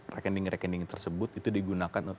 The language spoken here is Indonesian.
rekening rekening tersebut itu digunakan